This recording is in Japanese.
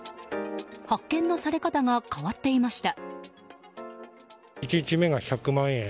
発見のされ方が変わっていました。